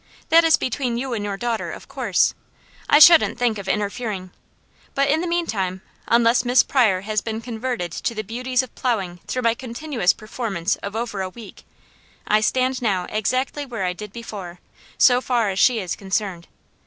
That is between you and your daughter, of course. I shouldn't think of interfering. But in the meantime, unless Miss Pryor has been converted to the beauties of plowing through my continuous performance of over a week, I stand now exactly where I did before, so far as she is concerned.